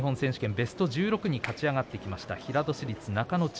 ベスト１６に勝ち上がってきました平戸市立中野中。